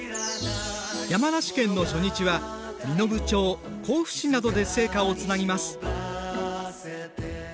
山梨県の初日は身延町甲府市などで聖火をつなぎます。